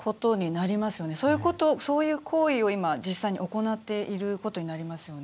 そういう行為を実際行っていることになりますよね。